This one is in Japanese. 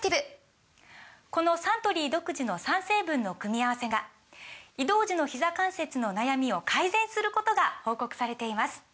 このサントリー独自の３成分の組み合わせが移動時のひざ関節の悩みを改善することが報告されています